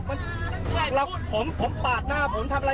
ผมปากหน้าผมทำอะไรคุณหรือเปล่า